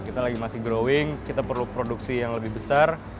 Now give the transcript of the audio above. kita lagi masih growing kita perlu produksi yang lebih besar